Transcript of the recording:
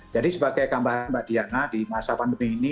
jadi sebagai gambaran mbak diana di masa pandemi ini